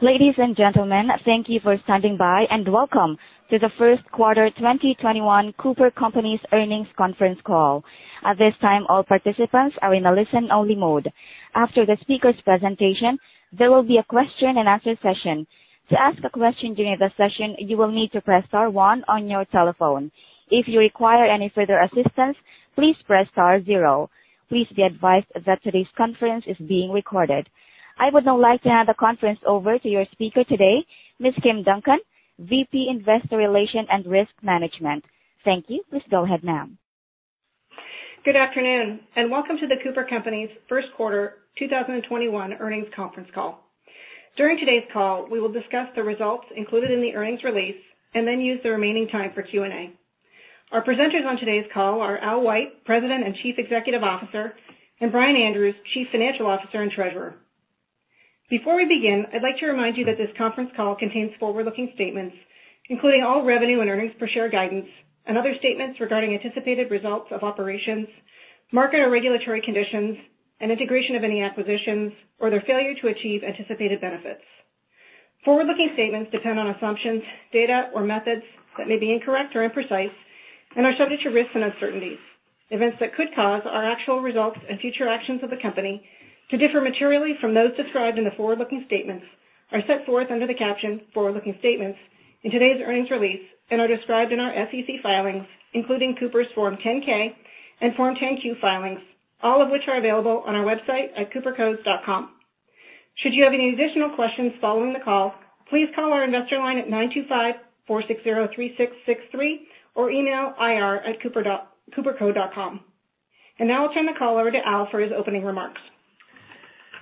Ladies and gentlemen, thank you for standing by, and welcome to the first quarter 2021 CooperCompanies earnings conference call. At this time, all participants are in a listen-only mode. After the speaker's presentation, there will be a question-and-answer session. To ask a question during the session, you will need to press star one on your telephone. If you require any further assistance, please press star zero. Please be advised that today's conference is being recorded. I would now like to hand the conference over to your speaker today, Ms. Kim Duncan, VP Investor Relations and Risk Management. Thank you. Please go ahead, ma'am. Good afternoon, welcome to the CooperCompanies' first quarter 2021 earnings conference call. During today's call, we will discuss the results included in the earnings release then use the remaining time for Q&A. Our presenters on today's call are Al White, President and Chief Executive Officer, and Brian Andrews, Chief Financial Officer and Treasurer. Before we begin, I'd like to remind you that this conference call contains forward-looking statements, including all revenue and earnings per share guidance and other statements regarding anticipated results of operations, market or regulatory conditions, and integration of any acquisitions, or their failure to achieve anticipated benefits. Forward-looking statements depend on assumptions, data, or methods that may be incorrect or imprecise and subject to risks and uncertainties. Events that could cause our actual results and future actions of the company to differ materially from those described in the forward-looking statements are set forth under the caption Forward-Looking Statements in today's earnings release and are described in our SEC filings, including Cooper's Form 10-K and Form 10-Q filings, all of which are available on our website at coopercos.com. Should you have any additional questions following the call, please call our investor line at 925-460-3663 or email ir@coopercos.com. Now I'll turn the call over to Al for his opening remarks.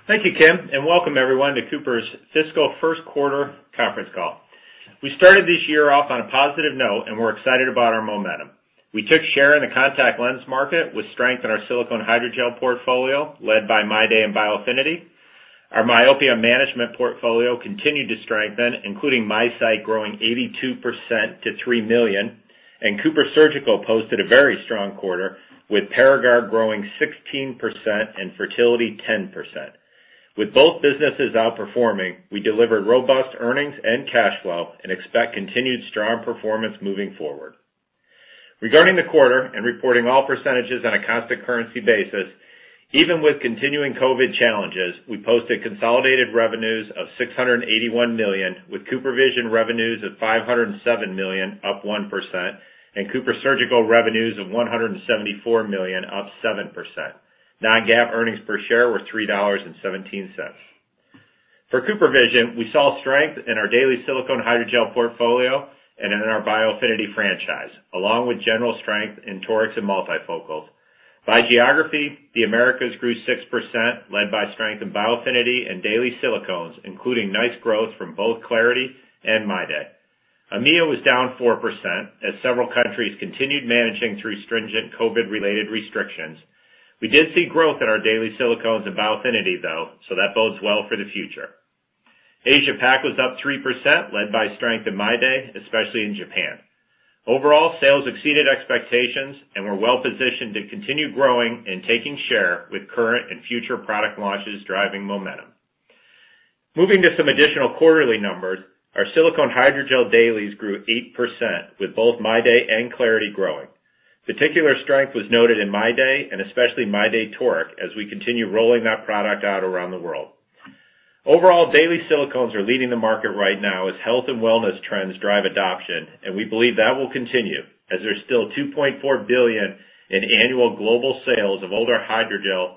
Thank you, Kim, and welcome everyone to Cooper's fiscal first quarter conference call. We started this year off on a positive note, and we're excited about our momentum. We took share in the contact lens market with strength in our silicone hydrogel portfolio led by MyDay and Biofinity. Our myopia management portfolio continued to strengthen, including MiSight growing 82% to 3 million, and CooperSurgical posted a very strong quarter with Paragard growing 16% and Fertility 10%. With both businesses outperforming, we delivered robust earnings and cash flow and expect continued strong performance moving forward. Regarding the quarter and reporting all percentages on a constant currency basis, even with continuing COVID challenges, we posted consolidated revenues of $681 million, with CooperVision revenues of $507 million, up 1%, and CooperSurgical revenues of $174 million, up 7%. non-GAAP earnings per share were $3.17. For CooperVision, we saw strength in our daily silicone hydrogel portfolio and in our Biofinity franchise, along with general strength in toric and multifocal. By geography, the Americas grew 6%, led by strength in Biofinity and daily silicones, including nice growth from both clariti and MyDay. EMEA was down 4%, as several countries continued managing through stringent COVID-related restrictions. We did see growth in our daily silicones and Biofinity, though, so that bodes well for the future. Asia Pac was up 3%, led by strength in MyDay, especially in Japan. Overall, sales exceeded expectations, and we're well-positioned to continue growing and taking share with current and future product launches driving momentum. Moving to some additional quarterly numbers, our silicone hydrogel dailies grew 8%, with both MyDay and clariti growing. Particular strength was noted in MyDay and especially MyDay toric as we continue rolling that product out around the world. Overall, daily silicone are leading the market right now as health and wellness trends drive adoption. We believe that will continue as there's still $2.4 billion in annual global sales of older hydrogels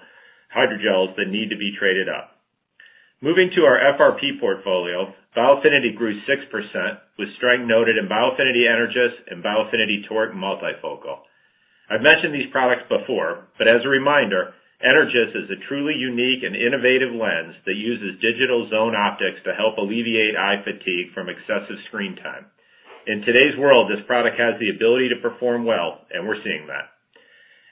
that need to be traded up. Moving to our FRP portfolio, Biofinity grew 6%, with strength noted in Biofinity Energys and Biofinity toric, multifocal. I've mentioned these products before. As a reminder, Energys is a truly unique and innovative lens that uses Digital Zone Optics to help alleviate eye fatigue from excessive screen time. In today's world, this product has the ability to perform well. We're seeing that.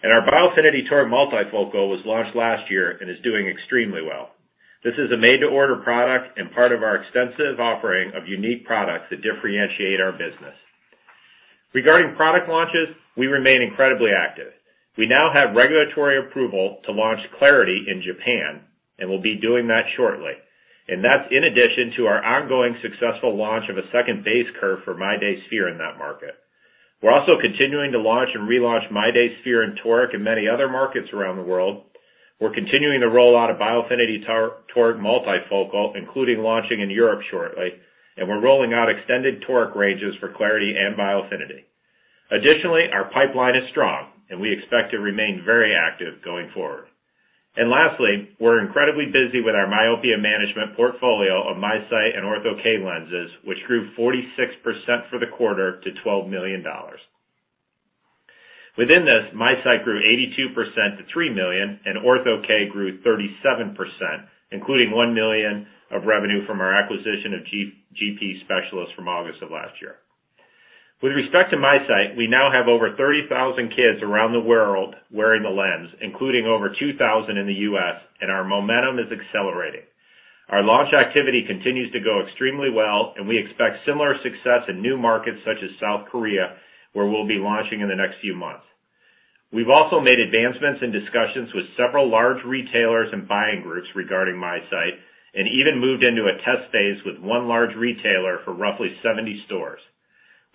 Our Biofinity toric, multifocal was launched last year and is doing extremely well. This is a made-to-order product and part of our extensive offering of unique products that differentiate our business. Regarding product launches, we remain incredibly active. We now have regulatory approval to launch clariti in Japan, we'll be doing that shortly. That's in addition to our ongoing successful launch of a second base curve for MyDay sphere in that market. We're also continuing to launch and relaunch MyDay sphere and MyDay toric in many other markets around the world. We're continuing to roll out a Biofinity toric, multifocal, including launching in Europe shortly, and we're rolling out extended toric ranges for clariti and Biofinity. Additionally, our pipeline is strong, and we expect to remain very active going forward. Lastly, we're incredibly busy with our myopia management portfolio of MiSight and Ortho-K lenses, which grew 46% for the quarter to $12 million. Within this, MiSight grew 82% to $3 million, and Ortho-K grew 37%, including $1 million of revenue from our acquisition of GP Specialists from August of last year. With respect to MiSight, we now have over 30,000 kids around the world wearing the lens, including over 2,000 in the U.S., and our momentum is accelerating. Our launch activity continues to go extremely well, and we expect similar success in new markets such as South Korea, where we'll be launching in the next few months. We've also made advancements in discussions with several large retailers and buying groups regarding MiSight, and even moved into a test phase with one large retailer for roughly 70 stores.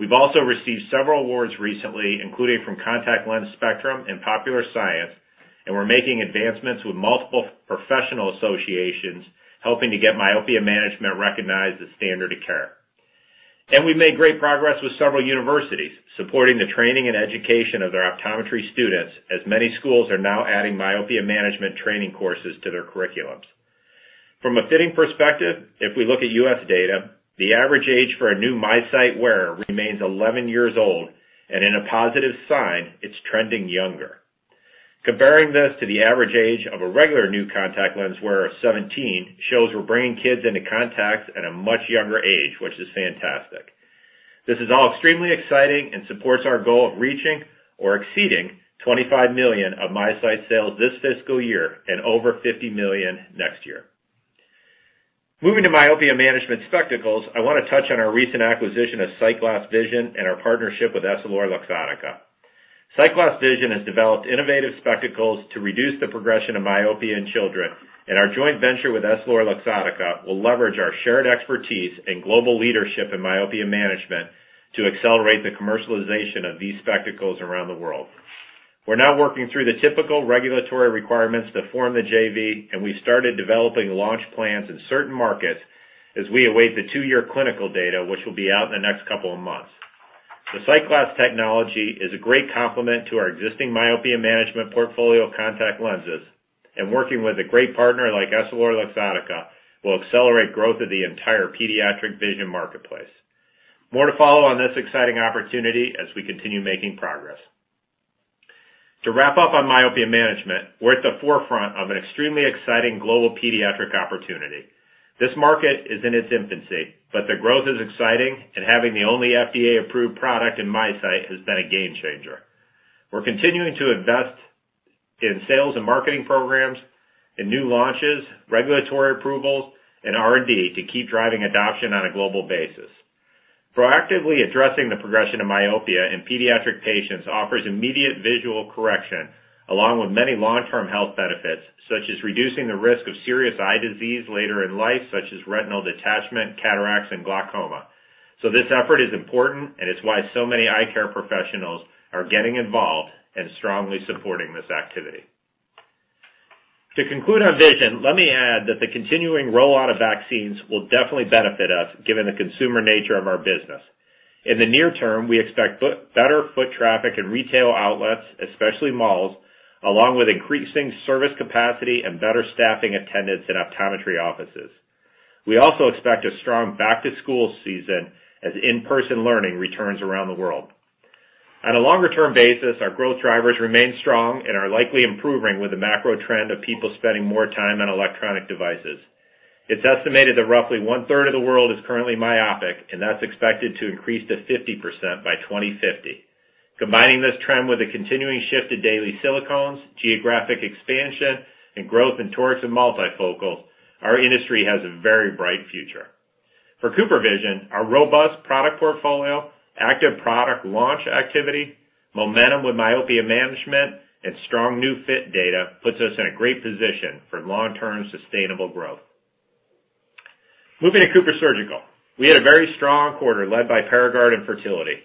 We've also received several awards recently, including from Contact Lens Spectrum and Popular Science, and we're making advancements with multiple professional associations, helping to get myopia management recognized as standard of care. We've made great progress with several universities, supporting the training and education of their optometry students, as many schools are now adding myopia management training courses to their curriculums. From a fitting perspective, if we look at U.S. data, the average age for a new MiSight wearer remains 11 years old. In a positive sign, it's trending younger. Comparing this to the average age of a regular new contact lens wearer of 17, shows we're bringing kids into contacts at a much younger age, which is fantastic. This is all extremely exciting and supports our goal of reaching or exceeding $25 million of MiSight sales this fiscal year and over $50 million next year. Moving to myopia management spectacles, I want to touch on our recent acquisition of SightGlass Vision and our partnership with EssilorLuxottica. SightGlass Vision has developed innovative spectacles to reduce the progression of myopia in children. Our joint venture with EssilorLuxottica will leverage our shared expertise and global leadership in myopia management to accelerate the commercialization of these spectacles around the world. We're now working through the typical regulatory requirements to form the JV. We started developing launch plans in certain markets as we await the two-year clinical data, which will be out in the next couple of months. The SightGlass technology is a great complement to our existing myopia management portfolio of contact lenses. Working with a great partner like EssilorLuxottica will accelerate growth of the entire pediatric vision marketplace. More to follow on this exciting opportunity as we continue making progress. To wrap up on myopia management, we're at the forefront of an extremely exciting global pediatric opportunity. This market is in its infancy. The growth is exciting. Having the only FDA-approved product in MiSight has been a game changer. We're continuing to invest in sales and marketing programs, in new launches, regulatory approvals, and R&D to keep driving adoption on a global basis. Proactively addressing the progression of myopia in pediatric patients offers immediate visual correction, along with many long-term health benefits, such as reducing the risk of serious eye disease later in life, such as retinal detachment, cataracts, and glaucoma. This effort is important and it's why so many eye care professionals are getting involved and strongly supporting this activity. To conclude on Vision, let me add that the continuing rollout of vaccines will definitely benefit us, given the consumer nature of our business. In the near term, we expect better foot traffic in retail outlets, especially malls, along with increasing service capacity and better staffing attendance in optometry offices. We also expect a strong back-to-school season as in-person learning returns around the world. On a longer-term basis, our growth drivers remain strong and are likely improving with the macro trend of people spending more time on electronic devices. It's estimated that roughly 1/3 of the world is currently myopic, and that's expected to increase to 50% by 2050. Combining this trend with a continuing shift to daily silicones, geographic expansion, and growth in toric and multifocal, our industry has a very bright future. For CooperVision, our robust product portfolio, active product launch activity, momentum with myopia management, and strong new fit data puts us in a great position for long-term sustainable growth. Moving to CooperSurgical. We had a very strong quarter led by Paragard and Fertility.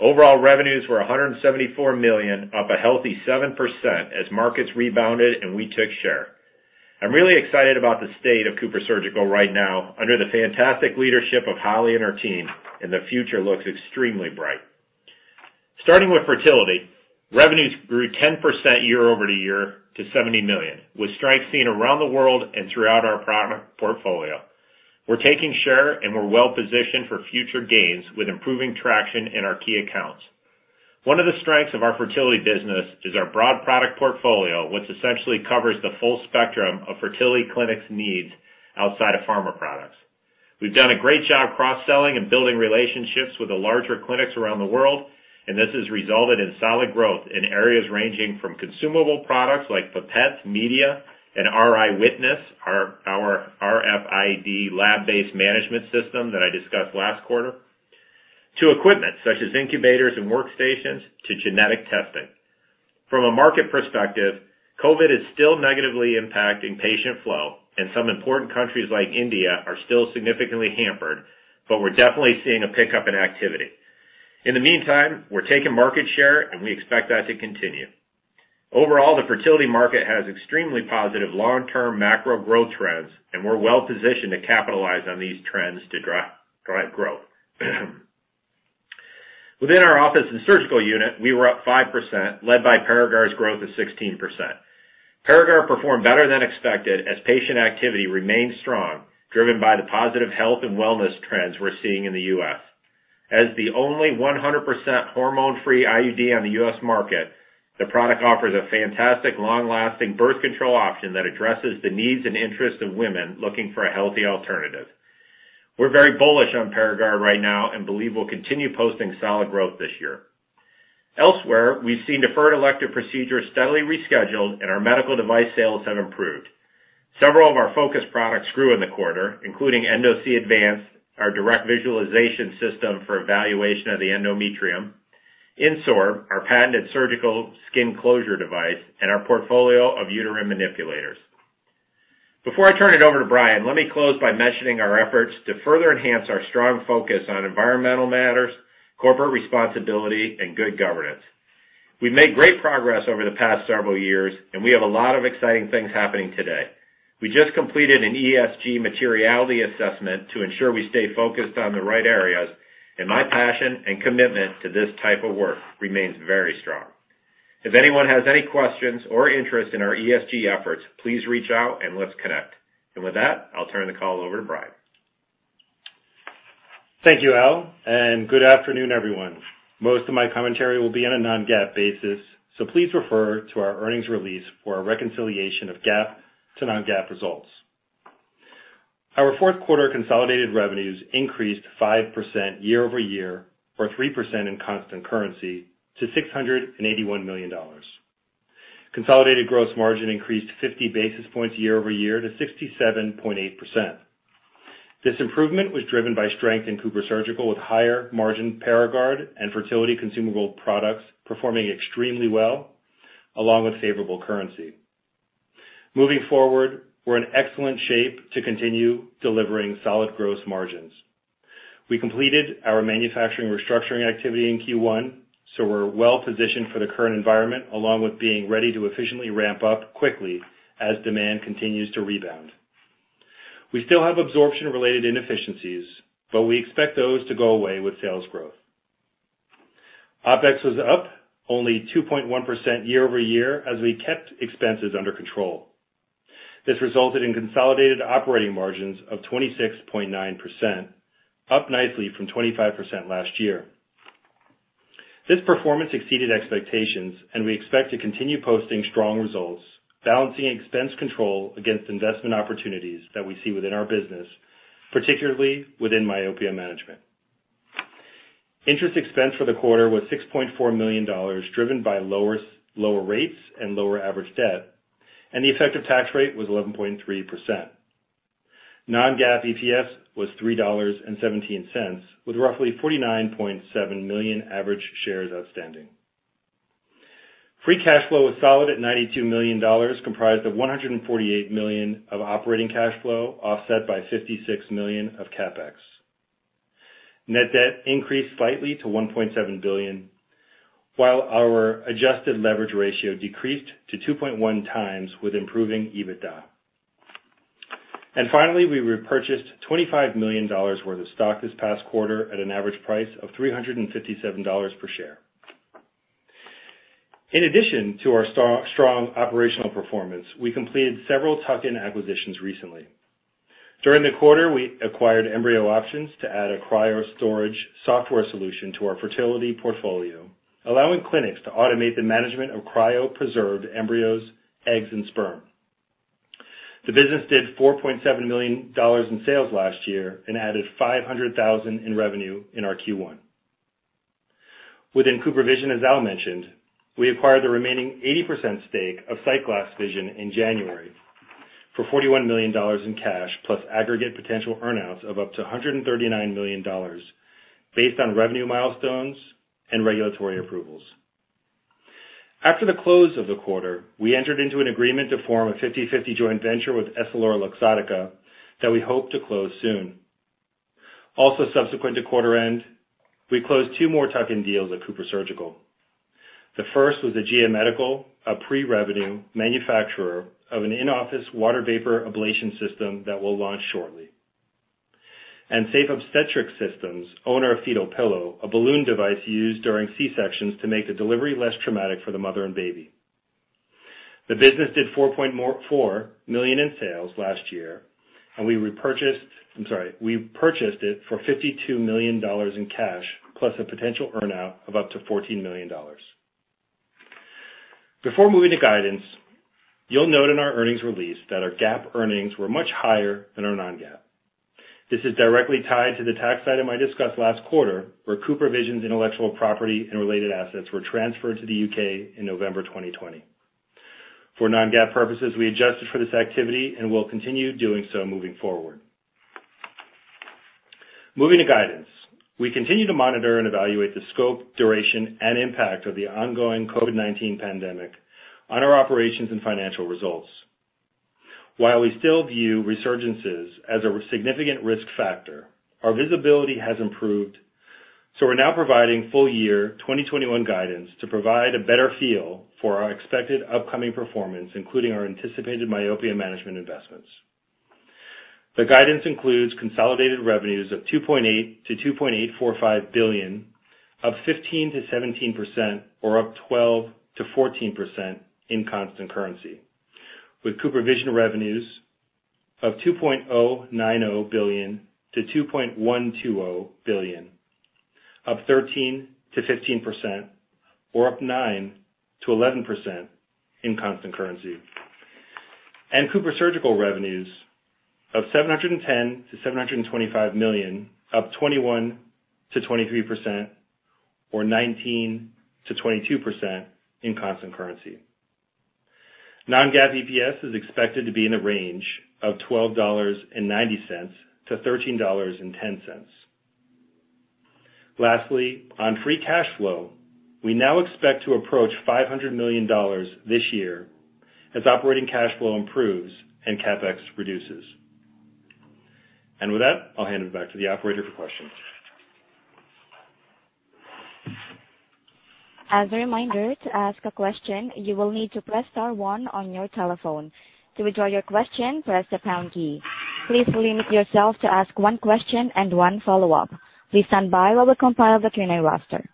Overall revenues were $174 million, up a healthy 7% as markets rebounded and we took share. I'm really excited about the state of CooperSurgical right now under the fantastic leadership of Holly and her team, and the future looks extremely bright. Starting with Fertility, revenues grew 10% year-over-year to $70 million, with strength seen around the world and throughout our product portfolio. We're taking share and we're well-positioned for future gains with improving traction in our key accounts. One of the strengths of our Fertility business is our broad product portfolio, which essentially covers the full spectrum of Fertility clinics' needs outside of pharma products. We've done a great job cross-selling and building relationships with the larger clinics around the world, and this has resulted in solid growth in areas ranging from consumable products like pipettes, media, and RI Witness, our RFID lab-based management system that I discussed last quarter, to equipment such as incubators and workstations, to genetic testing. From a market perspective, COVID is still negatively impacting patient flow, and some important countries like India are still significantly hampered. We're definitely seeing a pickup in activity. In the meantime, we're taking market share. We expect that to continue. Overall, the Fertility market has extremely positive long-term macro growth trends. We're well-positioned to capitalize on these trends to drive growth. Within our office and surgical unit, we were up 5%, led by Paragard's growth of 16%. Paragard performed better than expected as patient activity remained strong, driven by the positive health and wellness trends we're seeing in the U.S. As the only 100% hormone-free IUD on the U.S. market, the product offers a fantastic long-lasting birth control option that addresses the needs and interests of women looking for a healthy alternative. We're very bullish on Paragard right now and believe we'll continue posting solid growth this year. Elsewhere, we've seen deferred elective procedures steadily rescheduled and our medical device sales have improved. Several of our focus products grew in the quarter, including Endosee Advance, our direct visualization system for evaluation of the endometrium, INSORB, our patented surgical skin closure device, and our portfolio of uterine manipulators. Before I turn it over to Brian, let me close by mentioning our efforts to further enhance our strong focus on environmental matters, corporate responsibility, and good governance. We've made great progress over the past several years, and we have a lot of exciting things happening today. We just completed an ESG materiality assessment to ensure we stay focused on the right areas, and my passion and commitment to this type of work remains very strong. If anyone has any questions or interest in our ESG efforts, please reach out and let's connect. With that, I'll turn the call over to Brian. Thank you, Al, and good afternoon, everyone. Most of my commentary will be on a non-GAAP basis, so please refer to our earnings release for a reconciliation of GAAP to non-GAAP results. Our fourth quarter consolidated revenues increased 5% year-over-year or 3% in constant currency to $681 million. Consolidated gross margin increased 50 basis points year-over-year to 67.8%. This improvement was driven by strength in CooperSurgical with higher-margin Paragard and Fertility consumable products performing extremely well, along with favorable currency. Moving forward, we're in excellent shape to continue delivering solid gross margins. We completed our manufacturing restructuring activity in Q1, so we're well-positioned for the current environment, along with being ready to efficiently ramp up quickly as demand continues to rebound. We still have absorption-related inefficiencies, but we expect those to go away with sales growth. OpEx was up only 2.1% year-over-year as we kept expenses under control. This resulted in consolidated operating margins of 26.9%, up nicely from 25% last year. This performance exceeded expectations, and we expect to continue posting strong results, balancing expense control against investment opportunities that we see within our business, particularly within myopia management. Interest expense for the quarter was $6.4 million, driven by lower rates and lower average debt, and the effective tax rate was 11.3%. non-GAAP EPS was $3.17, with roughly 49.7 million average shares outstanding. Free cash flow was solid at $92 million, comprised of $148 million of operating cash flow, offset by $56 million of CapEx. Net debt increased slightly to $1.7 billion, while our adjusted leverage ratio decreased to 2.1x with improving EBITDA. Finally, we repurchased $25 million worth of stock this past quarter at an average price of $357 per share. In addition to our strong operational performance, we completed several tuck-in acquisitions recently. During the quarter, we acquired Embryo Options to add a cryostorage software solution to our Fertility portfolio, allowing clinics to automate the management of cryopreserved embryos, eggs, and sperm. The business did $4.7 million in sales last year and added $500,000 in revenue in our Q1. Within CooperVision, as Al mentioned, we acquired the remaining 80% stake of SightGlass Vision in January for $41 million in cash, plus aggregate potential earn-outs of up to $139 million based on revenue milestones and regulatory approvals. After the close of the quarter, we entered into an agreement to form a 50/50 joint venture with EssilorLuxottica that we hope to close soon. Subsequent to quarter end, we closed two more tuck-in deals at CooperSurgical. The first was AEGEA Medical, a pre-revenue manufacturer of an in-office water vapor ablation system that will launch shortly. Safe Obstetric Systems own our Fetal Pillow, a balloon device used during C-sections to make the delivery less traumatic for the mother and baby. The business did $4.4 million in sales last year, we purchased it for $52 million in cash, plus a potential earn-out of up to $14 million. Before moving to guidance, you'll note in our earnings release that our GAAP earnings were much higher than our non-GAAP. This is directly tied to the tax item I discussed last quarter, where CooperVision's intellectual property and related assets were transferred to the U.K. in November 2020. For non-GAAP purposes, we adjusted for this activity and will continue doing so moving forward. Moving to guidance. We continue to monitor and evaluate the scope, duration, and impact of the ongoing COVID-19 pandemic on our operations and financial results. While we still view resurgences as a significant risk factor, our visibility has improved, so we're now providing full year 2021 guidance to provide a better feel for our expected upcoming performance, including our anticipated myopia management investments. The guidance includes consolidated revenues of $2.8 billion-$2.845 billion, up 15%-17%, or up 12%-14% in constant currency. With CooperVision revenues of $2.090 billion-$2.120 billion, up 13%-15%, or up 9%-11% in constant currency. CooperSurgical revenues of $710 million-$725 million, up 21%-23%. 19%-22% in constant currency. Non-GAAP EPS is expected to be in the range of $12.90-$13.10. Lastly, on free cash flow, we now expect to approach $500 million this year as operating cash flow improves and CapEx reduces. With that, I'll hand it back to the operator for questions. As a reminder, to ask a question, you will need to press star one on your telephone. To withdraw your question, press the pound key. Please limit yourself to ask one question and one follow-up. Please stand by while we compile the Q&A roster.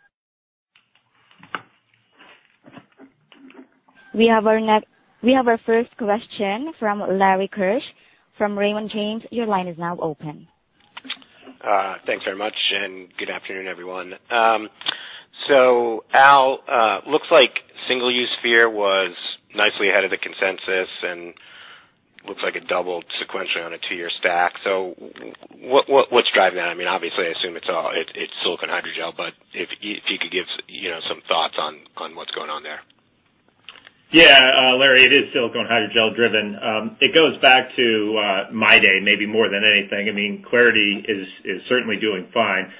We have our first question from Larry Keusch from Raymond James. Your line is now open. Thanks very much. Good afternoon, everyone. Al, looks like the single-use sphere was nicely ahead of the consensus, and looks like it doubled sequentially on a two-year stack. What's driving that? Obviously, I assume it's silicone hydrogel, but if you could give some thoughts on what's going on there. Yeah. Larry, it is silicone hydrogel driven. It goes back to MyDay, maybe more than anything. clariti is certainly doing fine.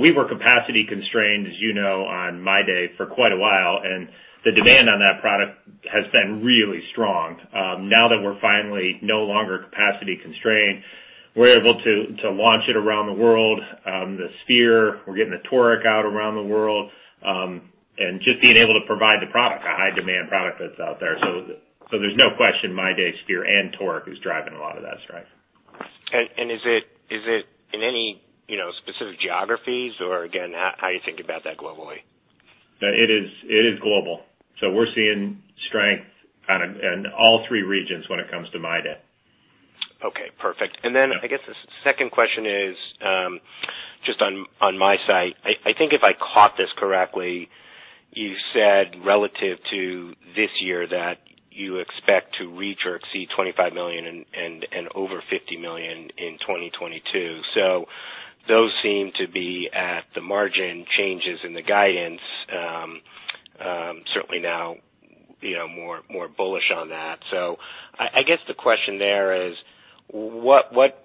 We were capacity-constrained, as you know, on MyDay for quite a while, and the demand on that product has been really strong. Now that we're finally no longer capacity-constrained, we're able to launch it around the world. The sphere, we're getting the toric out around the world, and just being able to provide the product, a high demand product that's out there. There's no question MyDay sphere and toric is driving a lot of that strength. Is it in any specific geographies or again, how are you thinking about that globally? It is global. We're seeing strength in all three regions when it comes to MyDay. Okay, perfect. I guess the second question is, just on MiSight, I think if I caught this correctly, you said relative to this year that you expect to reach or exceed $25 million and over $50 million in 2022. Those seem to be at the margin changes in the guidance, certainly now more bullish on that. I guess the question there is, what's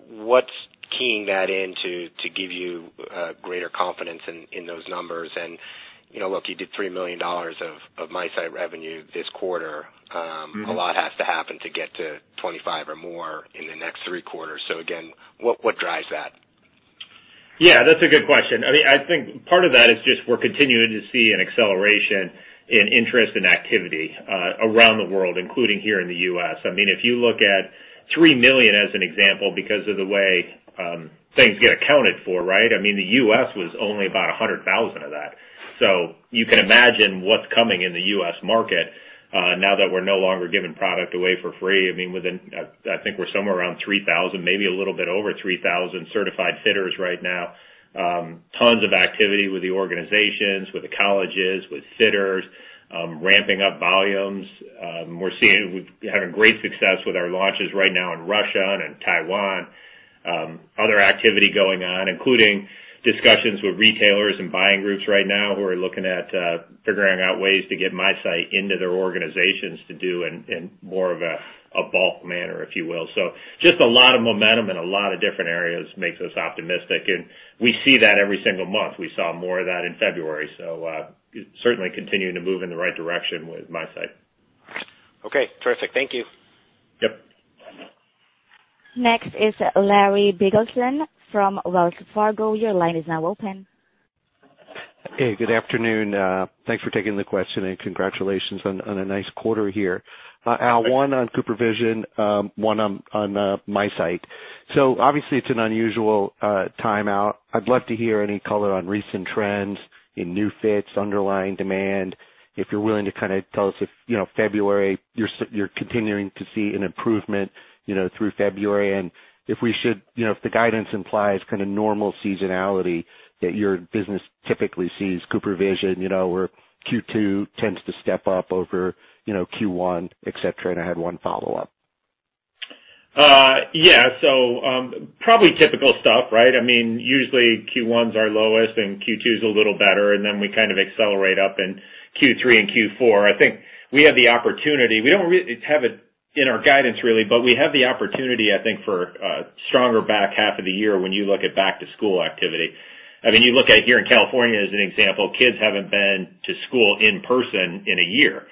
keying that in to give you greater confidence in those numbers? Look, you did $3 million of MiSight revenue this quarter. A lot has to happen to get to $25 million or more in the next three quarters. Again, what drives that? Yeah, that's a good question. I think part of that is just we're continuing to see an acceleration in interest and activity around the world, including here in the U.S. If you look at $3 million as an example, because of the way things get accounted for, the U.S. was only about 100,000 of that. You can imagine what's coming in the U.S. market now that we're no longer giving product away for free. I think we're somewhere around 3,000, maybe a little bit over 3,000 certified fitters right now. Tons of activity with the organizations, with the colleges, with fitters, ramping up volumes. We're having great success with our launches right now in Russia and in Taiwan. Other activity going on, including discussions with retailers and buying groups right now who are looking at figuring out ways to get MiSight into their organizations to do in more of a bulk manner, if you will. Just a lot of momentum in a lot of different areas makes us optimistic, and we see that every single month. We saw more of that in February. Certainly continuing to move in the right direction with MiSight. Okay, terrific. Thank you. Yep. Next is Larry Biegelsen from Wells Fargo. Your line is now open. Hey, good afternoon. Thanks for taking the question and congratulations on a nice quarter here. Al, one on CooperVision, one on MiSight. Obviously, it's an unusual timeout. I'd love to hear any color on recent trends in new fits and underlying demand. If you're willing to kind of tell us if February, you're continuing to see an improvement through February, and if the guidance implies kind of normal seasonality that your business typically sees, CooperVision where Q2 tends to step up over Q1, et cetera. I have one follow-up. Probably typical stuff, right? Usually, Q1's our lowest and Q2's a little better, and then we kind of accelerate up in Q3 and Q4. I think we have the opportunity. We don't really have it in our guidance, really, but we have the opportunity, I think, for a stronger back half of the year when you look at back-to-school activity. You look at here in California as an example, kids haven't been to school in person in a year.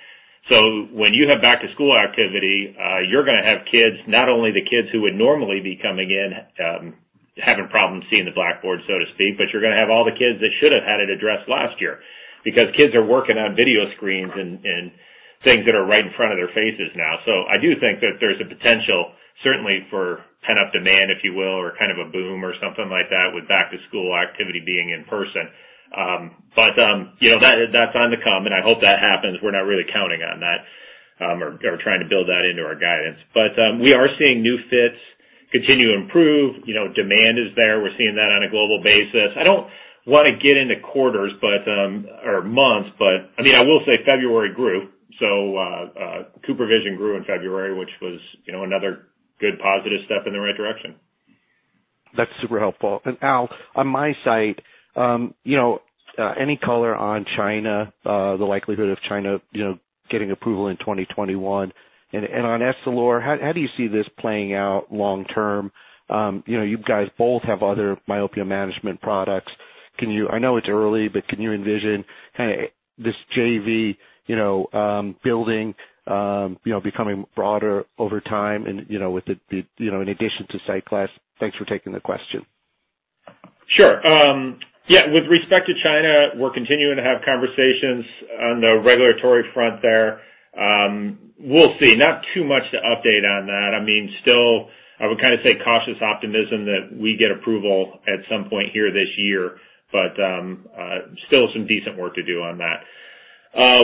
When you have a back-to-school activity, you're going to have kids, not only the kids who would normally be coming in, having problems seeing the blackboard, so to speak, but you're going to have all the kids that should have had it addressed last year, because kids are working on video screens and things that are right in front of their faces now. I do think that there's a potential, certainly for pent-up demand, if you will, or kind of a boom or something like that, with back-to-school activity being in person. That's on to come, and I hope that happens. We're not really counting on that or trying to build that into our guidance. We are seeing new fits continue to improve. Demand is there. We're seeing that on a global basis. I don't want to get into quarters or months, but I will say February grew. CooperVision grew in February, which was another good positive step in the right direction. That's super helpful. Al, on my side, any color on China, the likelihood of China getting approval in 2021? On Essilor, how do you see this playing out long term? You guys both have other myopia management products. I know it's early, but can you envision this JV building becoming broader over time in addition to SightGlass? Thanks for taking the question. Sure. Yeah. With respect to China, we're continuing to have conversations on the regulatory front there. We'll see. Not too much to update on that. Still, I would say cautious optimism that we get approval at some point here this year, but still some decent work to do on that.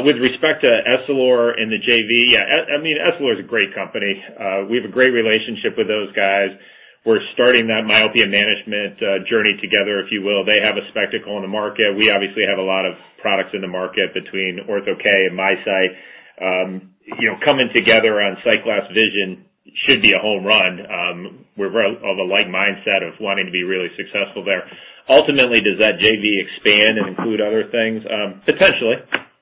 With respect to Essilor and the JV, Essilor is a great company. We have a great relationship with those guys. We're starting that myopia management journey together, if you will. They have a spectacle in the market. We obviously have a lot of products in the market between Ortho-K and MiSight. Coming together on SightGlass Vision should be a home run. We're of a like mindset of wanting to be really successful there. Ultimately, does that JV expand and include other things? Potentially.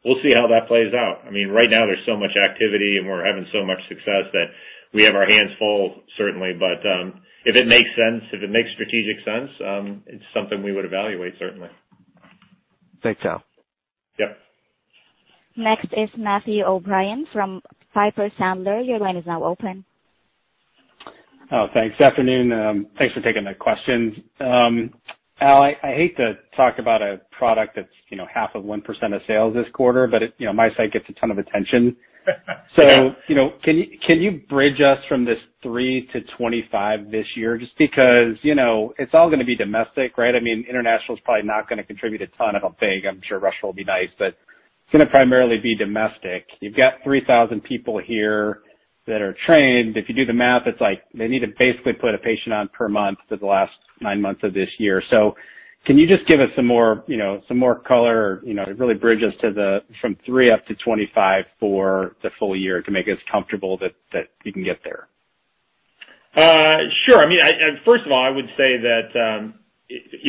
We'll see how that plays out. Right now, there's so much activity, and we're having so much success that we have our hands full, certainly. If it makes strategic sense, it's something we would evaluate, certainly. Thanks, Al. Yep. Next is Matthew O'Brien from Piper Sandler. Your line is now open. Oh, thanks. Afternoon. Thanks for taking the questions. Al, I hate to talk about a product that's half of 1% of sales this quarter, but MiSight gets a ton of attention. Can you bridge us from this 3-25 this year, just because it's all going to be domestic, right? International is probably not going to contribute a ton, I don't think. I'm sure Russia will be nice. It's going to primarily be domestic. You've got 3,000 people here that are trained. If you do the math, it's like they need to basically put a patient on per month for the last nine months of this year. Can you just give us some more color to really bridge us from three up to 25 for the full year to make us comfortable that you can get there? Sure. First of all, I would say that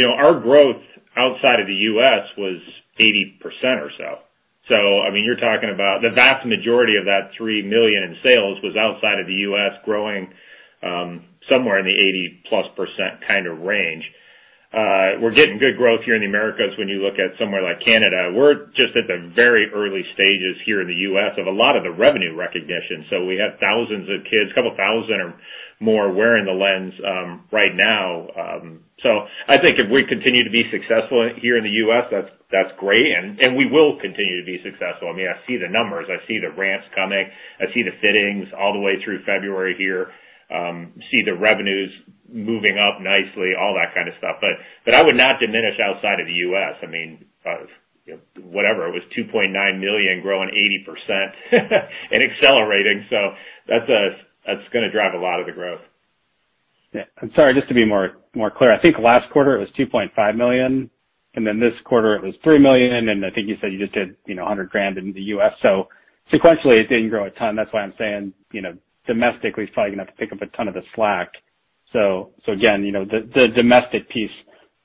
our growth outside of the U.S. was 80% or so. You're talking about the vast majority of that $3 million in sales was outside of the U.S. growing somewhere in the 80%+ kind of range. We're getting good growth here in the Americas when you look at somewhere like Canada. We're just at the very early stages here in the U.S. of a lot of the revenue recognition. We have thousands of kids, a couple of thousand or more wearing the lens right now. I think if we continue to be successful here in the U.S., that's great. We will continue to be successful. I see the numbers. I see the ramps coming. I see the fittings all the way through February here. See the revenues moving up nicely, all that kind of stuff. I would not diminish outside of the U.S. Whatever. It was $2.9 million growing 80% and accelerating. That's going to drive a lot of the growth. Yeah. I'm sorry, just to be more clear. I think last quarter it was $2.5 million, and then this quarter it was $3 million, and I think you said you just did $100,000 in the U.S. Sequentially, it didn't grow a ton. That's why I'm saying domestically, it's probably going to have to pick up a ton of the slack. Again, the domestic piece,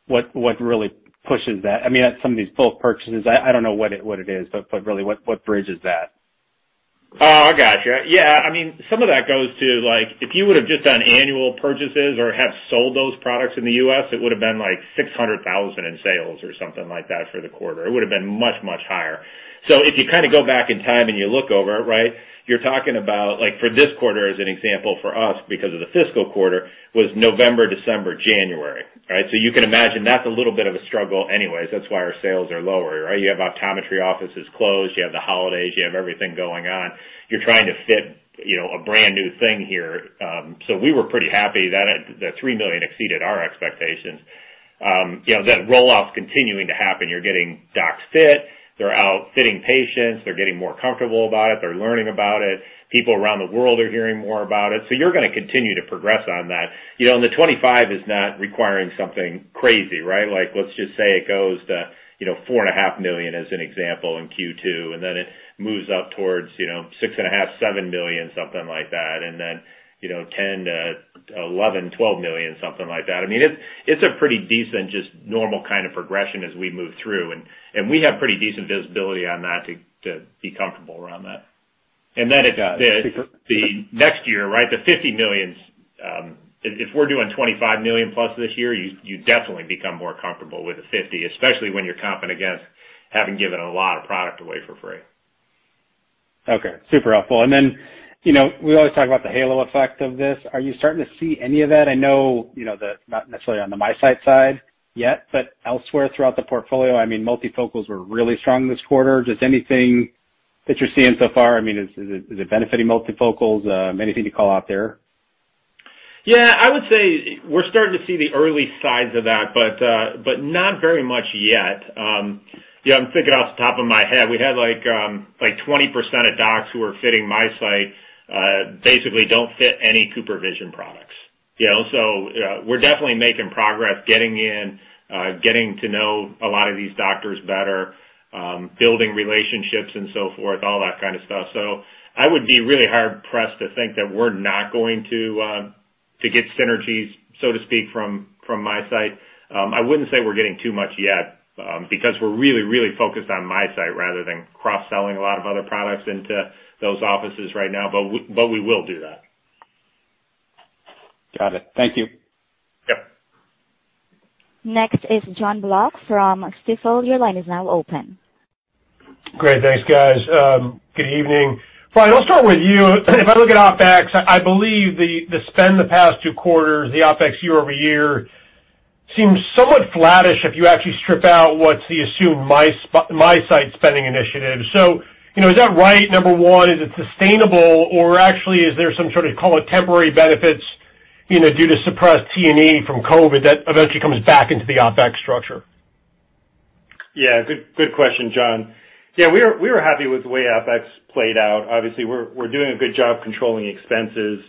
what really pushes that? Some of these bulk purchases, I don't know what it is, but really, what bridges that? Oh, I got you. Yeah. Some of that goes to if you would've just done annual purchases or have sold those products in the U.S., it would've been like $600,000 in sales or something like that for the quarter. It would've been much, much higher. If you kind of go back in time and you look over it, right, you're talking about for this quarter, as an example for us, because of the fiscal quarter, was November, December, January, right? You can imagine that's a little bit of a struggle anyways. That's why our sales are lower, right? You have optometry offices closed, you have the holidays, you have everything going on. You're trying to fit a brand-new thing here. We were pretty happy. The $3 million exceeded our expectations. That roll-off's continuing to happen. You're getting docs fit. They're out fitting patients. They're getting more comfortable about it. They're learning about it. People around the world are hearing more about it. You're going to continue to progress on that. The $25 million is not requiring something crazy, right? Let's just say it goes to $4.5 million as an example in Q2, and then it moves up towards $6.5 million, $7 million, something like that. Then $10 million, $11 million, $12 million, something like that. It's a pretty decent, just normal kind of progression as we move through, and we have pretty decent visibility on that to be comfortable around that. And then it does. The next year, right, the $50 million. If we're doing $25 million+ this year, you definitely become more comfortable with the $50 million, especially when you're comping against having given a lot of products away for free. Okay. Super helpful. We always talk about the halo effect of this. Are you starting to see any of that? I know not necessarily on the MiSight side yet, but elsewhere throughout the portfolio. Multifocal were really strong this quarter. Just anything that you're seeing so far, is it benefiting multifocal? Anything to call out there? Yeah. I would say we're starting to see the early signs of that, but not very much yet. I'm thinking off the top of my head, we had like 20% of docs who are fitting MiSight basically don't fit any CooperVision products. We're definitely making progress getting in, getting to know a lot of these doctors better, building relationships, and so forth, all that kind of stuff. I would be really hard-pressed to think that we're not going to To get synergies, so to speak, from MiSight. I wouldn't say we're getting too much yet, because we're really focused on MiSight rather than cross-selling a lot of other products into those offices right now. We will do that. Got it. Thank you. Yep. Next is Jon Block from Stifel. Your line is now open. Great. Thanks, guys. Good evening. Brian, I'll start with you. If I look at OpEx, I believe the spend the past two quarters, the OpEx year-over-year seems somewhat flattish if you actually strip out what's the assumed MiSight spending initiative. Is that right? Number one, is it sustainable, or actually, is there some sort of, call it temporary benefits, due to suppressed T&E from COVID that eventually comes back into the OpEx structure? Yeah. Good question, Jon. Yeah, we're happy with the way OpEx played out. Obviously, we're doing a good job controlling expenses.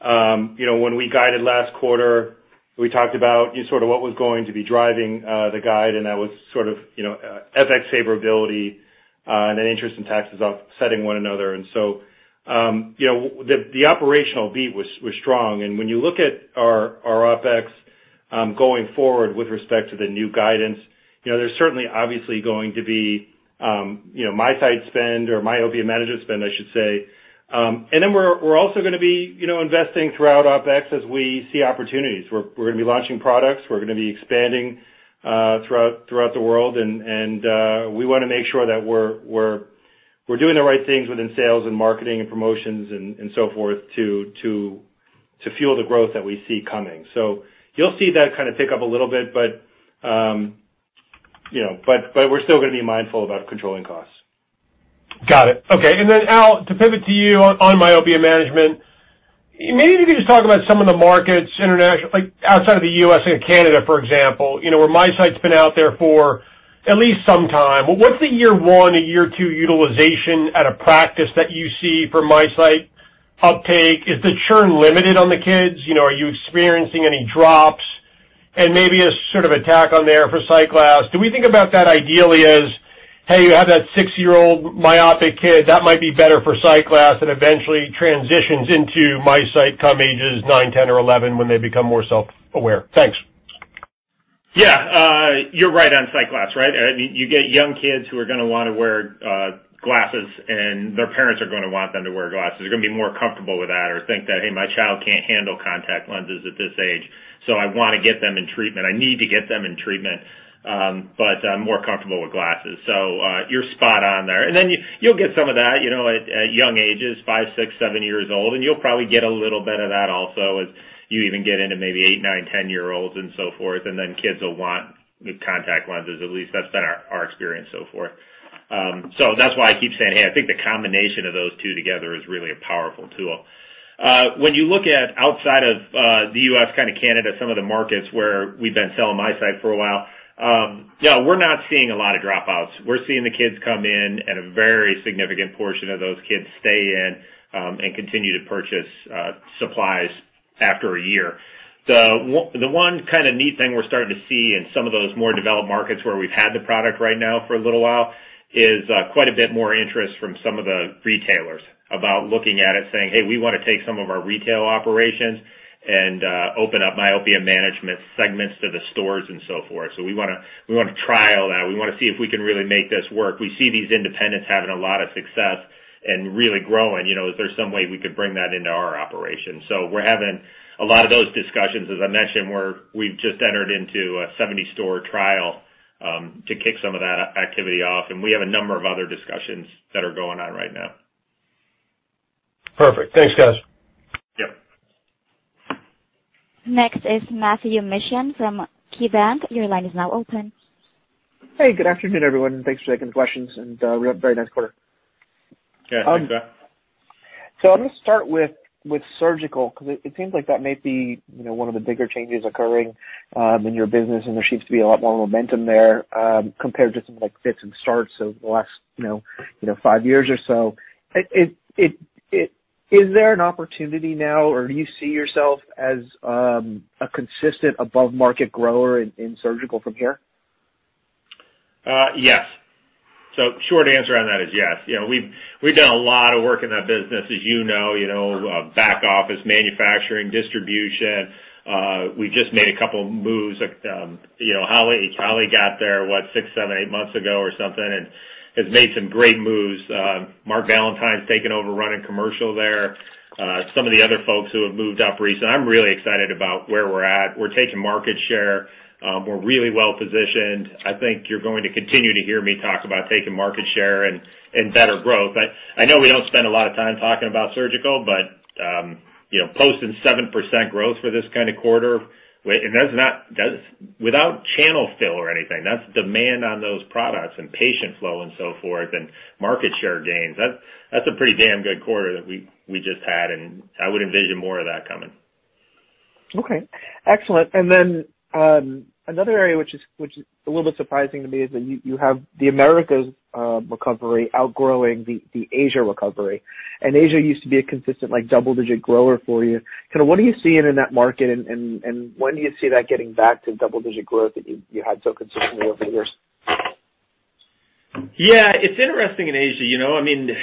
When we guided last quarter, we talked about sort of what was going to be driving the guide, and that was sort of FX favorability, and then interest and taxes offsetting one another. The operational beat was strong. When you look at our OpEx, going forward with respect to the new guidance, there's certainly obviously going to be MiSight spend or myopia management spend, I should say. We're also going to be investing throughout OpEx as we see opportunities. We're going to be launching products. We're going to be expanding throughout the world. We want to make sure that we're doing the right things within sales and marketing and promotions and so forth to fuel the growth that we see coming. You'll see that kind of pick up a little bit, but we're still going to be mindful about controlling costs. Got it. Okay. Al, to pivot to you on myopia management, maybe if you could just talk about some of the markets international, like outside of the U.S. and Canada, for example, where MiSight's been out there for at least some time. What's the year one and year two utilization at a practice that you see for MiSight uptake? Is the churn limited on the kids? Are you experiencing any drops? Maybe a sort of attack on there for SightGlass. Do we think about that ideally as, hey, you have that six-year-old myopic kid, that might be better for SightGlass and eventually transitions into MiSight come ages nine, 10 or 11 when they become more self-aware? Thanks. You're right on SightGlass, right? You get young kids who are going to want to wear glasses, and their parents are going to want them to wear glasses. They're going to be more comfortable with that or think that, hey, my child can't handle contact lenses at this age, so I want to get them in treatment. I need to get them in treatment. I'm more comfortable with glasses. You're spot on there. Then you'll get some of that at young ages, five, six, seven years old, and you'll probably get a little bit of that also as you even get into maybe eight, nine, 10-year-olds and so forth. Then kids will want contact lenses. At least that's been our experience so forth. That's why I keep saying, hey, I think the combination of those two together is really a powerful tool. When you look at outside of the U.S., Canada, some of the markets where we've been selling MiSight for a while, yeah, we're not seeing a lot of dropouts. We're seeing the kids come in, a very significant portion of those kids stay in and continue to purchase supplies after a year. The one kind of neat thing we're starting to see in some of those more developed markets where we've had the product right now for a little while is quite a bit more interest from some of the retailers about looking at it, saying, "Hey, we want to take some of our retail operations and open up myopia management segments to the stores and so forth. We want to trial that. We want to see if we can really make this work." We see these independents having a lot of success and really growing. Is there some way we could bring that into our operation? We're having a lot of those discussions. As I mentioned, we've just entered into a 70-store trial to kick some of that activity off, and we have a number of other discussions that are going on right now. Perfect. Thanks, guys. Yep. Next is Matthew Mishan from KeyBanc. Your line is now open. Hey, good afternoon, everyone. Thanks for taking questions, and we had a very nice quarter. Yeah. Thanks, Matt. I'm going to start with Surgical, because it seems like that may be one of the bigger changes occurring, in your business, and there seems to be a lot more momentum there, compared to some fits and starts over the last five years or so. Is there an opportunity now, or do you see yourself as a consistent above-market grower in Surgical from here? Yes. Short answer on that is yes. We've done a lot of work in that business, as you know, back office, manufacturing, distribution. We just made a couple moves. Holly got there, what, six, seven, eight months ago or something and has made some great moves. Mark Valentine's taken over running commercial there. Some of the other folks who have moved up recently. I'm really excited about where we're at. We're taking market share. We're really well-positioned. I think you're going to continue to hear me talk about taking market share and better growth. I know we don't spend a lot of time talking about Surgical, posting 7% growth for this kind of quarter, without channel fill or anything. That's demand on those products and patient flow and so forth, market share gains. That's a pretty damn good quarter that we just had. I would envision more of that coming. Okay. Excellent. Another area which is a little bit surprising to me is that you have the Americas recovery outgrowing the Asia recovery. Asia used to be a consistent double-digit grower for you. What are you seeing in that market, and when do you see that getting back to double-digit growth that you had so consistently over the years? Yeah, it's interesting in Asia.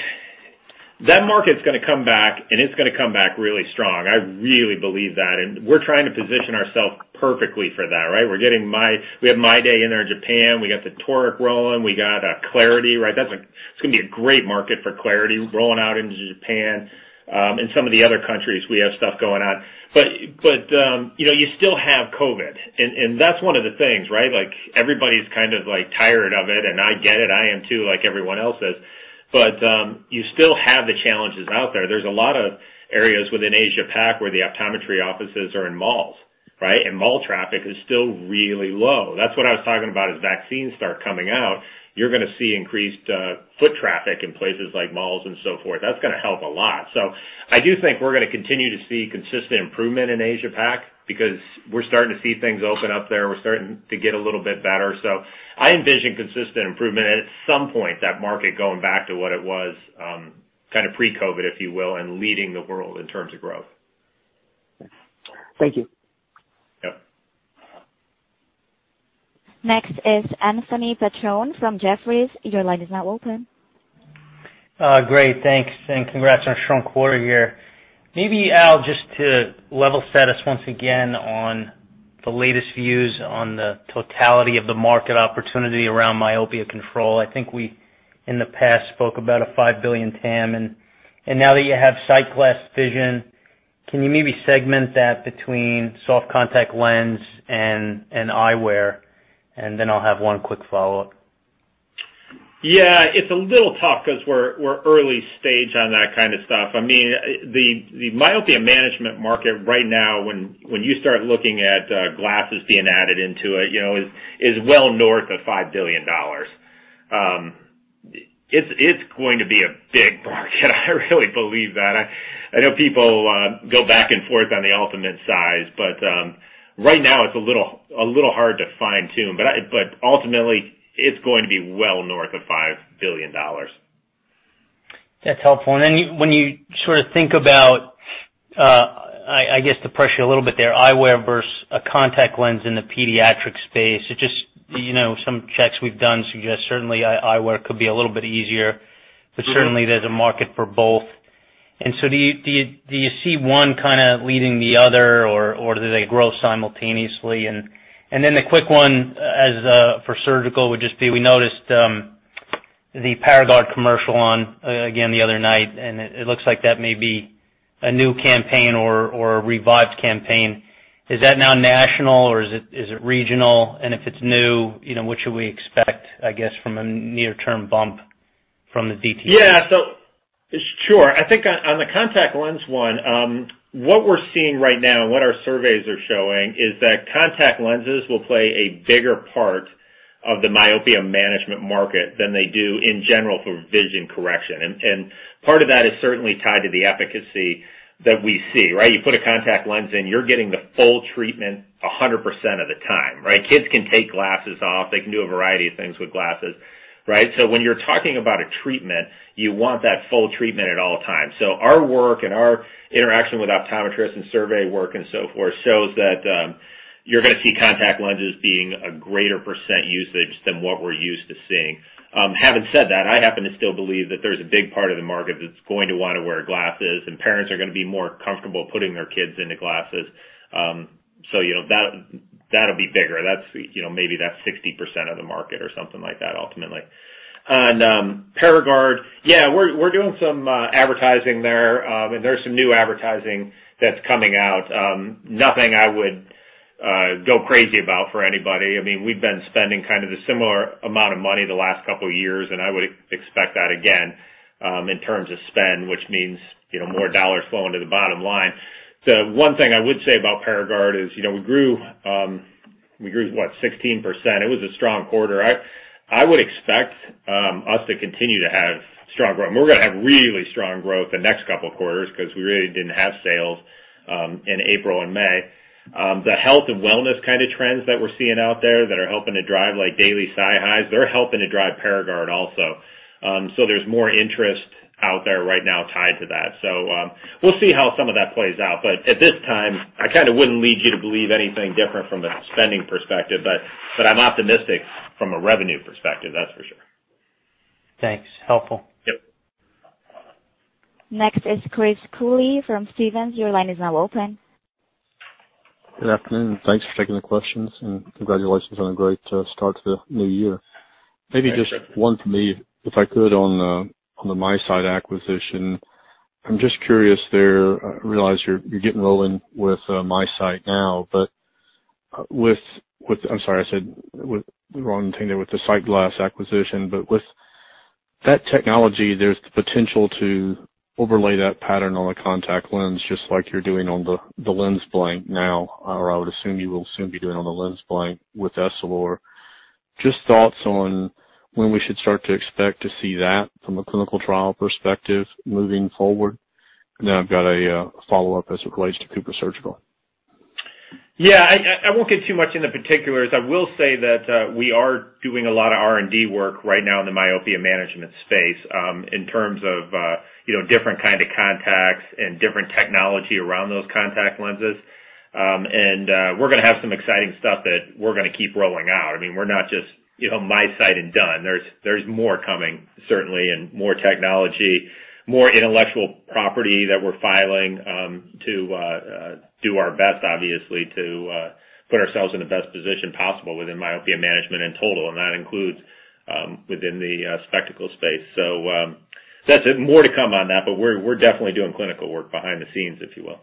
That market's going to come back, and it's going to come back really strong. I really believe that, and we're trying to position ourselves perfectly for that, right? We have MyDay in there in Japan. We got the toric rolling. We got clariti, right? It's going to be a great market for clariti, rolling out into Japan. Some of the other countries, we have stuff going on. You still have COVID, and that's one of the things, right? Everybody's kind of tired of it, and I get it. I am too, like everyone else is. You still have the challenges out there. There's a lot of areas within Asia Pac where the optometry offices are in malls, right? Mall traffic is still really low. That's what I was talking about. As vaccines start coming out, you're going to see increased foot traffic in places like malls and so forth. That's going to help a lot. I do think we're going to continue to see consistent improvement in Asia Pac because we're starting to see things open up there. We're starting to get a little bit better. I envision consistent improvement, and at some point, that market going back to what it was pre-COVID, if you will, and leading the world in terms of growth. Thank you. Yep. Next is Anthony Petrone from Jefferies. Your line is now open. Great. Thanks, congrats on a strong quarter here. Al, just to level set us once again on the latest views on the totality of the market opportunity around myopia control. I think we, in the past, spoke about a $5 billion TAM. Now that you have SightGlass Vision, can you maybe segment that between soft contact lens and eyewear? I'll have one quick follow-up. Yeah, it's a little tough because we're early stage on that kind of stuff. The myopia management market right now, when you start looking at glasses being added into it, is well north of $5 billion. It's going to be a big market. I really believe that. I know people go back and forth on the ultimate size, but right now, it's a little hard to fine-tune, but ultimately, it's going to be well north of $5 billion. That's helpful. Then, when you sort of think about, I guess to pressure you a little bit there, eyewear versus a contact lens in the pediatric space, some checks we've done suggest certainly eyewear could be a little bit easier. Certainly, there's a market for both. Do you see one kind of leading the other, or do they grow simultaneously? The quick one for Surgical would just be, we noticed the Paragard commercial on again the other night, and it looks like that may be a new campaign or a revived campaign. Is that now national or is it regional? If it's new, what should we expect, I guess, from a near-term bump? Yeah. Sure. I think on the contact lens one, what we're seeing right now and what our surveys are showing is that contact lenses will play a bigger part of the myopia management market than they do in general for vision correction, and part of that is certainly tied to the efficacy that we see, right? You put a contact lens in, you're getting the full treatment 100% of the time, right? Kids can take glasses off. They can do a variety of things with glasses, right? When you're talking about a treatment, you want that full treatment at all times. Our work and our interaction with optometrists and survey work and so forth shows that you're going to see contact lenses being a greater percent usage than what we're used to seeing. Having said that, I happen to still believe that there's a big part of the market that's going to want to wear glasses, and parents are going to be more comfortable putting their kids into glasses. That'll be bigger. Maybe that's 60% of the market or something like that, ultimately. On Paragard, yeah, we're doing some advertising there. There's some new advertising that's coming out. Nothing I would go crazy about for anybody. We've been spending kind of a similar amount of money the last couple of years, and I would expect that again, in terms of spend, which means more dollars flowing to the bottom line. The one thing I would say about Paragard is, we grew, what, 16%? It was a strong quarter. I would expect us to continue to have strong growth, and we're going to have really strong growth the next couple of quarters because we really didn't have sales in April and May. The health and wellness kind of trends that we're seeing out there that are helping to drive daily SiHy, they're helping to drive Paragard also. There's more interest out there right now tied to that. We'll see how some of that plays out. At this time, I kind of wouldn't lead you to believe anything different from a spending perspective. I'm optimistic from a revenue perspective, that's for sure. Thanks. Helpful. Yep. Next is Chris Cooley from Stephens. Your line is now open. Good afternoon. Thanks for taking the questions, and congratulations on a great start to the new year. Thanks, Chris. Maybe just one for me, if I could, on the MiSight acquisition. I'm just curious there. I realize you're getting rolling with MiSight now, I'm sorry, I said the wrong thing there, with the SightGlass acquisition. With that technology, there's the potential to overlay that pattern on a contact lens, just like you're doing on the lens blank now, or I would assume you will soon be doing on the lens blank with Essilor. Thoughts on when we should start to expect to see that from a clinical trial perspective moving forward? Then I've got a follow-up as it relates to CooperSurgical. I won't get too much into particulars. I will say that we are doing a lot of R&D work right now in the myopia management space, in terms of different kinds of contacts and different technologies around those contact lenses. We're going to have some exciting stuff that we're going to keep rolling out. We're not just MiSight and done. There's more coming, certainly, and more technology, more intellectual property that we're filing to do our best, obviously, to put ourselves in the best position possible within myopia management in total, and that includes within the spectacle space. That's it. More to come on that, but we're definitely doing clinical work behind the scenes, if you will.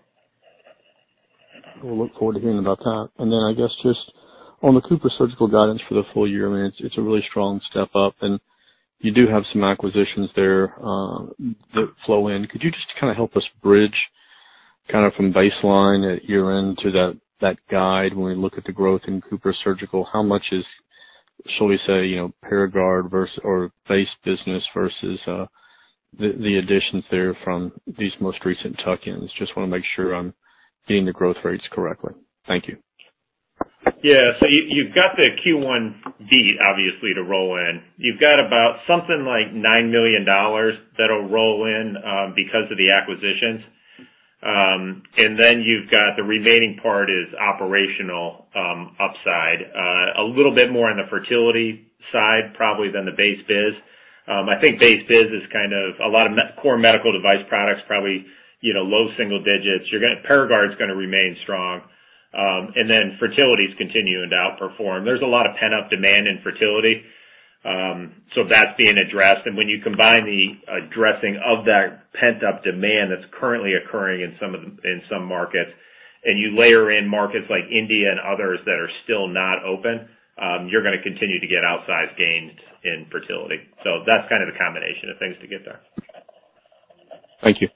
We'll look forward to hearing about that. I guess just on the CooperSurgical guidance for the full year, it's a really strong step up, and you do have some acquisitions there that flow in. Could you just kind of help us bridge from baseline at year-end to that guide when we look at the growth in CooperSurgical? How much is, shall we say, Paragard or base business versus the additions there from these most recent tuck-ins? Just want to make sure I'm getting the growth rates correctly. Thank you. Yeah. You've got the Q1 beat, obviously, to roll in. You've got about something like $9 million that'll roll in because of the acquisitions. You've got the remaining part is operational upside. A little bit more on the Fertility side, probably, than the base biz. I think base biz is kind of a lot of core medical device products, probably low single digits. Paragard is going to remain strong, and then Fertility is continuing to outperform. There's a lot of pent-up demand in Fertility. That's being addressed. When you combine the addressing of that pent-up demand that's currently occurring in some markets, and you layer in markets like India and others that are still not open, you're going to continue to get outsized gains in Fertility. That's kind of the combination of things to get there. Thank you.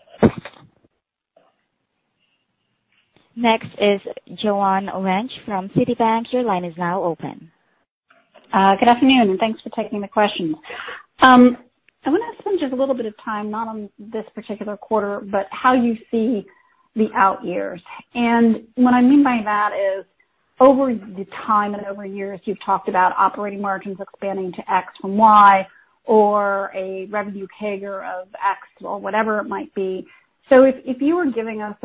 Next is Joanne Wuensch from Citibank. Your line is now open. Good afternoon, thanks for taking the questions. I want to spend just a little bit of time, not on this particular quarter, but how you see the out years. What I mean by that is, over the time and over the years, you've talked about operating margins expanding to X from Y or a revenue CAGR of X or whatever it might be. If you were giving us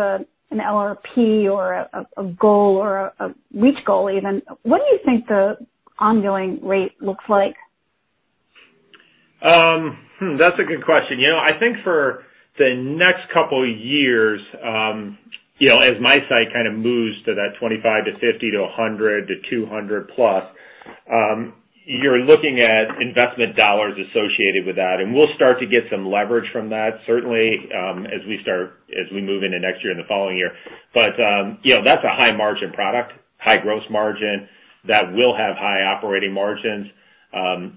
an LRP or a goal or a reach goal even, what do you think the ongoing rate looks like? That's a good question. I think for the next couple of years, as MiSight kind of moves to that 25-50 to 100-200+, you're looking at investment dollars associated with that, and we'll start to get some leverage from that, certainly, as we move into next year and the following year. But that's a high-margin product, high gross margin that will have high operating margins.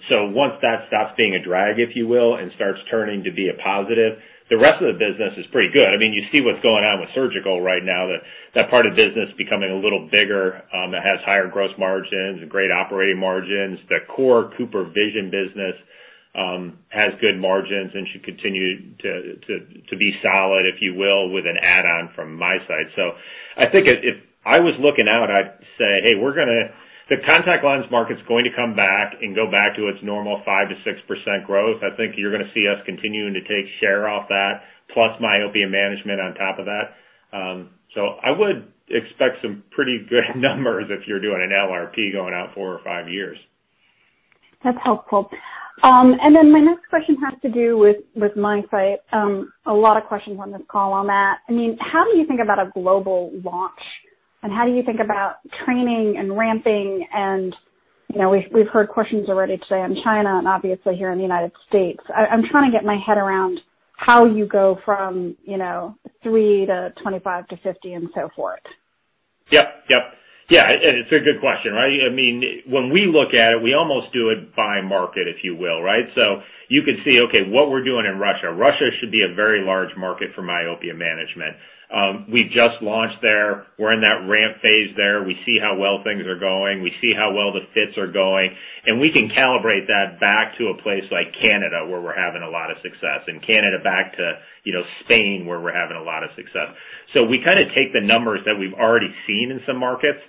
So once that stops being a drag, if you will, and starts turning to be a positive, the rest of the business is pretty good. You see what's going on with Surgical right now, that part of the business becoming a little bigger, that has higher gross margins and great operating margins. The core CooperVision business has good margins and should continue to be solid, if you will, with an add-on from MiSight. I think if I was looking out, I'd say, hey, the contact lens market's going to come back and go back to its normal 5%-6% growth. I think you're going to see us continuing to take share off that, plus myopia management on top of that. I would expect some pretty good numbers if you're doing an LRP going out four or five years. That's helpful. My next question has to do with MiSight. A lot of questions on this call on that. How do you think about a global launch, and how do you think about training and ramping? We've heard questions already today on China and obviously here in the United States. I'm trying to get my head around how you go from 3-25-50 and so forth. Yep. It's a good question, right? When we look at it, we almost do it by market, if you will, right? You could see, okay, what we're doing in Russia. Russia should be a very large market for myopia management. We just launched there. We're in that ramp phase there. We see how well things are going. We see how well the fits are going, and we can calibrate that back to a place like Canada, where we're having a lot of success, and Canada back to Spain, where we're having a lot of success. We kind of take the numbers that we've already seen in some markets,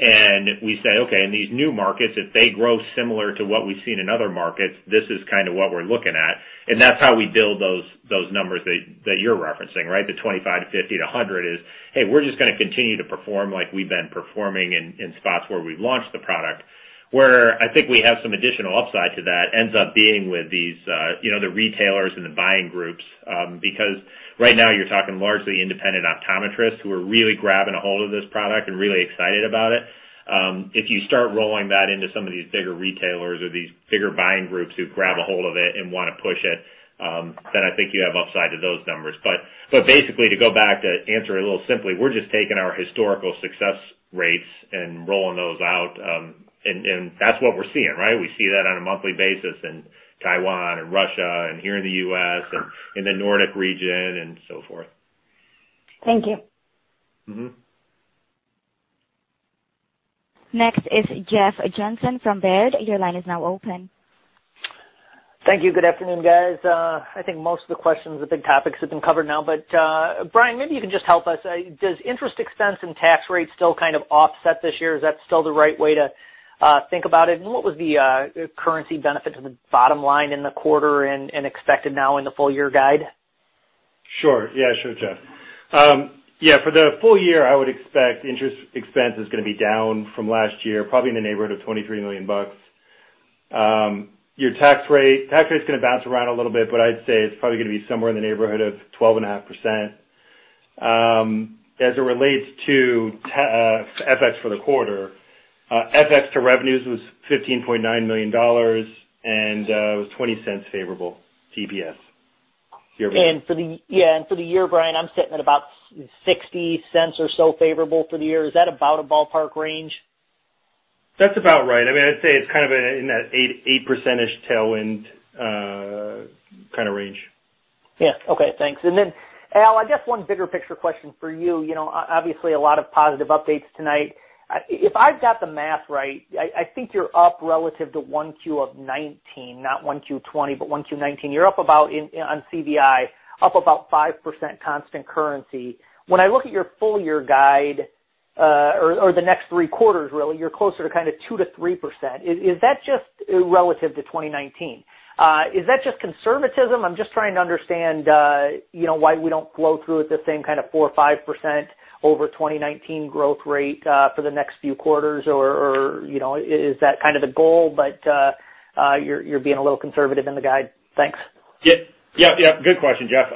and we say, okay, in these new markets, if they grow similar to what we've seen in other markets, this is kind of what we're looking at. That's how we build those numbers that you're referencing, right? The 25-50-100 is, hey, we're just going to continue to perform like we've been performing in spots where we've launched the product. Where I think we have some additional upside to that ends up being with the retailers and the buying groups, because right now, you're talking largely independent optometrists who are really grabbing ahold of this product and really excited about it. If you start rolling that into some of these bigger retailers or these bigger buying groups who grab a hold of it and want to push it, then I think you have upside to those numbers. Basically, to go back to answer it a little simply, we're just taking our historical success rates and rolling those out, and that's what we're seeing, right? We see that on a monthly basis in Taiwan and Russia, and here in the U.S., and in the Nordic region, and so forth. Thank you. Next is Jeff Johnson from Baird. Your line is now open. Thank you. Good afternoon, guys. I think most of the questions, the big topics have been covered now. Brian, maybe you can just help us. Does interest expense and tax rates still kind of offset this year? Is that still the right way to think about it? What was the currency benefit to the bottom line in the quarter and expected now in the full-year guide? Sure. Yeah, sure, Jeff. For the full year, I would expect interest expense is going to be down from last year, probably in the neighborhood of $23 million. Your tax rate's going to bounce around a little bit, but I'd say it's probably going to be somewhere in the neighborhood of 12.5%. As it relates to FX for the quarter, FX to revenues was $15.9 million, and it was $0.20 favorable EPS year-over-year. Yeah, for the year, Brian, I'm sitting at about $0.60 or so favorable for the year. Is that about a ballpark range? That's about right. I'd say it's kind of in that 8% tailwind kind of range. Okay, thanks. Al, I guess one bigger picture question for you. Obviously, a lot of positive updates tonight. If I've got the math right, I think you're up relative to Q1 2019, not Q1 2020, but Q1 2019. You're up about, on CooperVision, up about 5% constant currency. When I look at your full-year guide or the next three quarters, really, you're closer to kind of 2% to 3%. Is that just relative to 2019? Is that just conservatism? I'm just trying to understand why we don't flow through at the same kind of 4% or 5% over 2019 growth rate for the next few quarters, or is that kind of the goal, but you're being a little conservative in the guide? Thanks. Yep. Good question, Jeff.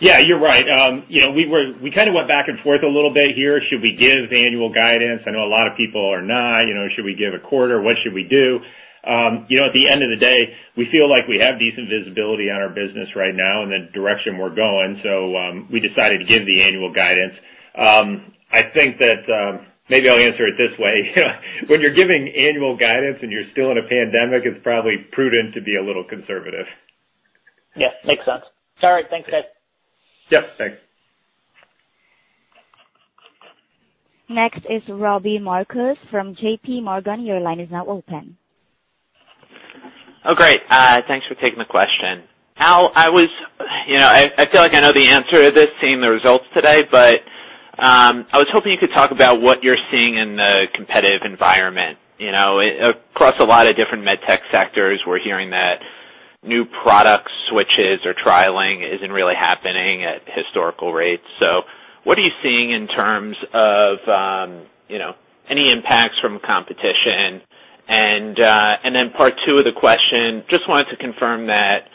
Yeah, you're right. We kind of went back and forth a little bit here. Should we give annual guidance? I know a lot of people are not. Should we give a quarter? What should we do? At the end of the day, we feel like we have decent visibility on our business right now and the direction we're going. We decided to give the annual guidance. I think that maybe I'll answer it this way. When you're giving annual guidance and you're still in a pandemic, it's probably prudent to be a little conservative. Yeah. Makes sense. All right. Thanks, guys. Yep. Thanks. Next is Robbie Marcus from JPMorgan. Your line is now open. Great. Thanks for taking the question. Al, I feel like I know the answer to this seeing the results today, but I was hoping you could talk about what you're seeing in the competitive environment. Across a lot of different med tech sectors, we're hearing that new product switches or trialing isn't really happening at historical rates. What are you seeing in terms of any impacts from competition? Part two of the question, just wanted to confirm that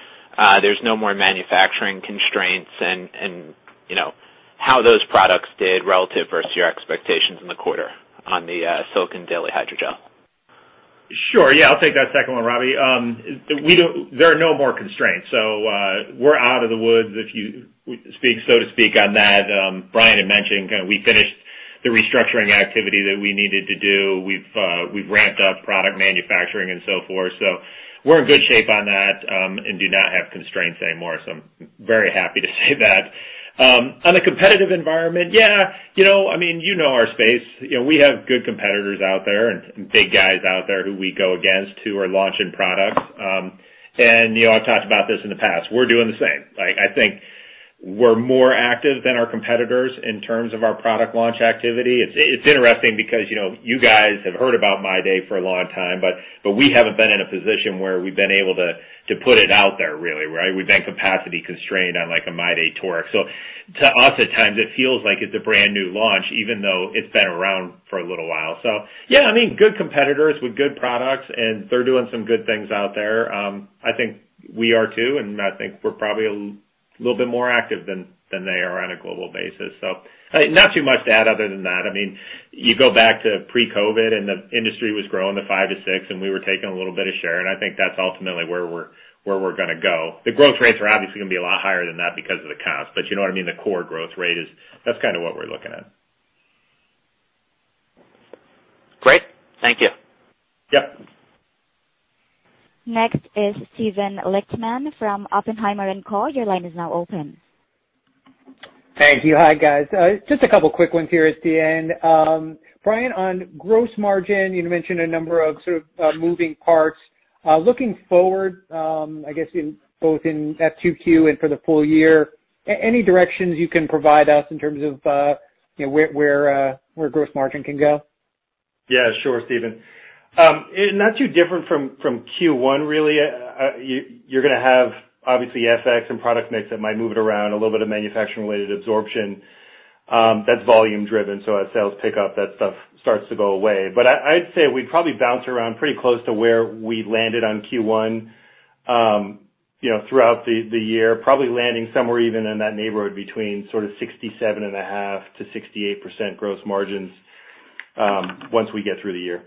there's no more manufacturing constraints and how those products did relative versus your expectations in the quarter on the silicone daily hydrogel. Sure. Yeah. I'll take that second one, Robbie. There are no more constraints. We're out of the woods, so to speak on that. Brian had mentioned we finished the restructuring activity that we needed to do. We've ramped up product manufacturing and so forth. We're in good shape on that and do not have constraints anymore. I'm very happy to say that. On the competitive environment, our space. We have good competitors out there and big guys out there who we go against who are launching products. I've talked about this in the past. We're doing the same. I think we're more active than our competitors in terms of our product launch activity. It's interesting because you guys have heard about MyDay for a long time, but we haven't been in a position where we've been able to put it out there really, right? We've been capacity-constrained on a MyDay toric. To us, at times, it feels like it's a brand-new launch, even though it's been around for a little while. Yeah, good competitors with good products, and they're doing some good things out there. I think we are too, and I think we're probably a little bit more active than they are on a global basis. Not too much to add other than that. You go back to pre-COVID and the industry was growing to 5%-6%, and we were taking a little bit of share, and I think that's ultimately where we're going to go. The growth rates are obviously going to be a lot higher than that because of the comps, but you know what I mean? The core growth rate is, that's kind of what we're looking at. Great. Thank you. Yep. Next is Steven Lichtman from Oppenheimer & Co. Your line is now open. Thank you. Hi, guys. Just a couple quick ones here at the end. Brian, on gross margin, you mentioned a number of sort of moving parts. Looking forward, I guess both in F2Q and for the full year, any directions you can provide us in terms of where gross margin can go? Yeah, sure, Steven. Not too different from Q1, really. You're going to have obviously FX and product mix that might move it around. A little bit of manufacturing-related absorption. That's volume-driven, so as sales pick up, that stuff starts to go away. I'd say we probably bounce around pretty close to where we landed on Q1 throughout the year, probably landing somewhere even in that neighborhood between sort of 67.5%-68% gross margins once we get through the year.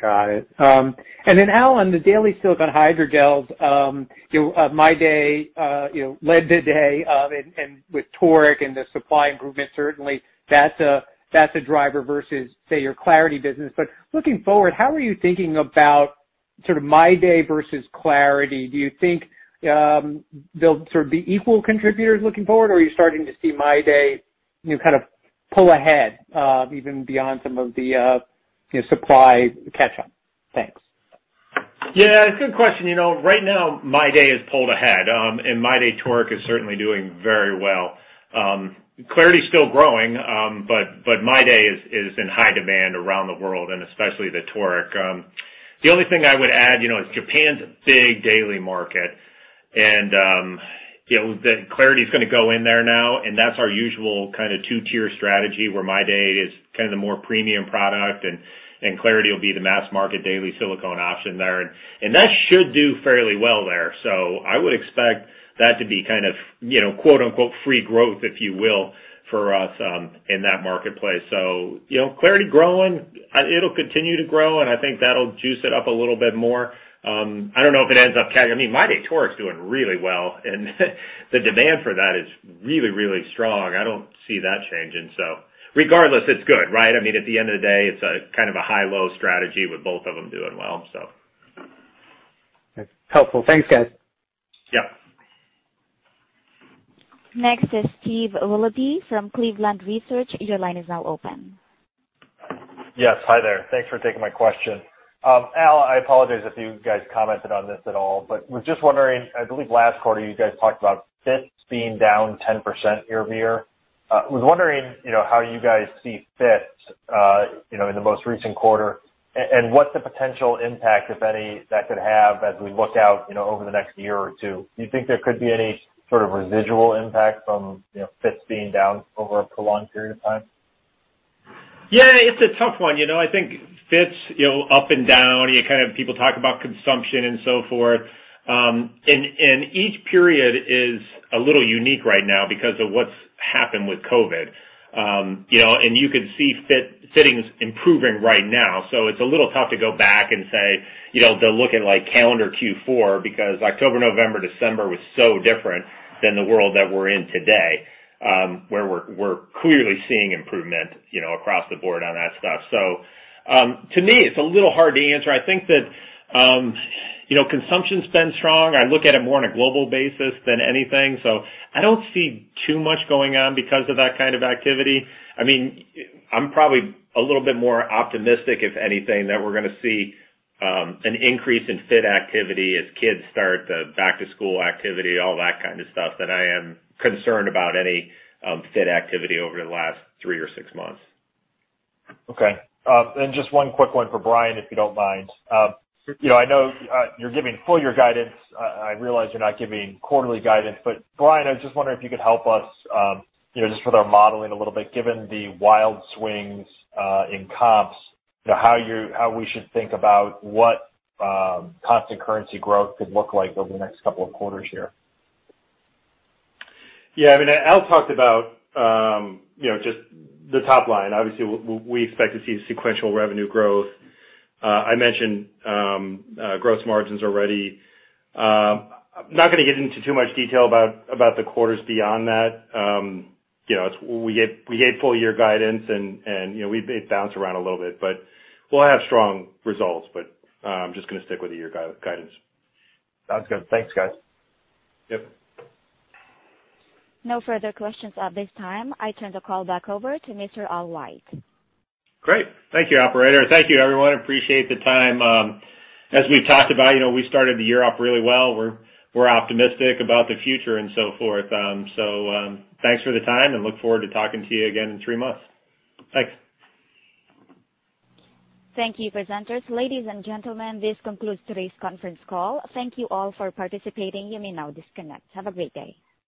Got it. Al, on the daily silicone hydrogels, MyDay led the day, and with toric and the supply improvement, certainly that's a driver versus, say, your clariti business. Looking forward, how are you thinking about sort of MyDay versus clariti? Do you think they'll sort of be equal contributors looking forward, or are you starting to see MyDay kind of pull ahead even beyond some of the supply catch-up? Thanks. Yeah. Good question. Right now MyDay has pulled ahead. MyDay toric is certainly doing very well. clariti's still growing but MyDay is in high demand around the world, and especially the toric. The only thing I would add, is Japan's a big daily market. clariti's going to go in there now, and that's our usual kind of two-tier strategy where MyDay is kind of the more premium product and clariti will be the mass market daily silicone option there. That should do fairly well there. I would expect that to be kind of "free growth," if you will, for us in that marketplace. clariti growing, it'll continue to grow, and I think that'll juice it up a little bit more. MyDay toric is doing really well, and the demand for that is really, really strong. I don't see that changing, so regardless, it's good, right? I mean, at the end of the day, it's a kind of high-low strategy with both of them doing well. That's helpful. Thanks, guys. Yeah. Next is Steve Halaby from Cleveland Research. Yes. Hi there. Thanks for taking my question. Al, I apologize if you guys commented on this at all, but was just wondering, I believe last quarter you guys talked about fits being down 10% year-over-year. I was wondering how you guys see fits in the most recent quarter, and what's the potential impact, if any, that could have as we look out over the next year or two. Do you think there could be any sort of residual impact from fits being down over a prolonged period of time? Yeah, it's a tough one. I think fits up and down. You have people talk about consumption and so forth. Each period is a little unique right now because of what's happened with COVID. You could see fittings improving right now. It's a little tough to go back and say, they'll look at like calendar Q4 because October, November, December was so different than the world that we're in today, where we're clearly seeing improvement across the board on that stuff. To me, it's a little hard to answer. I think that consumption's been strong. I look at it more on a global basis than anything. I don't see too much going on because of that kind of activity. I'm probably a little bit more optimistic, if anything, that we're going to see an increase in fit activity as kids start the back-to-school activity, all that kind of stuff, than I am concerned about any fit activity over the last three or six months. Okay. Just one quick one for Brian, if you don't mind. I know you're giving full-year guidance. I realize you're not giving quarterly guidance, but Brian, I was just wondering if you could help us just with our modeling a little bit, given the wild swings in comps, how we should think about what constant currency growth could look like over the next couple of quarters here. Yeah. Al talked about just the top line. Obviously, we expect to see sequential revenue growth. I mentioned gross margins already. I'm not going to get into too much detail about the quarters beyond that. We gave full-year guidance, and it bounced around a little bit, but we'll have strong results. I'm just going to stick with the year guidance. Sounds good. Thanks, guys. Yep. No further questions at this time. I turn the call back over to Mr. Al White. Great. Thank you, operator. Thank you, everyone. Appreciate the time. As we've talked about, we started the year off really well. We're optimistic about the future and so forth. Thanks for the time and look forward to talking to you again in three months. Thanks. Thank you, presenters. Ladies and gentlemen, this concludes today's conference call. Thank you all for participating. You may now disconnect. Have a great day.